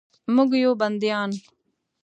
موږ یو بندیان